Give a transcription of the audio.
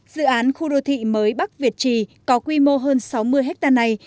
dự án khu đô thị mới bắc việt trì có quy mô hơn sáu mươi hectare này